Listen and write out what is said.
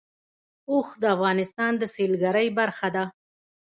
اوښ د افغانستان د سیلګرۍ برخه ده.